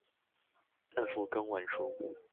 政府公文書